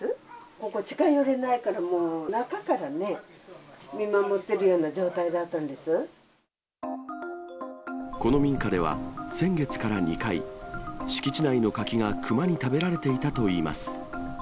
ここ、近寄れないから中からね、見守ってるような状態だったんでこの民家では、先月から２回、敷地内の柿がクマに食べられていたといいます。